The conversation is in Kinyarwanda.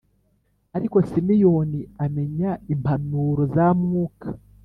ariko Simeyoni amenya impanuro za Mwuka